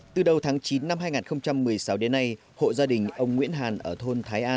từ đầu tháng chín năm hai nghìn một mươi sáu đến nay hộ gia đình ông nguyễn hàn ở thôn thái an